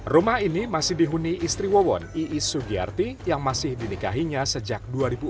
rumah ini masih dihuni istri wawon iis sugiyarti yang masih dinikahinya sejak dua ribu empat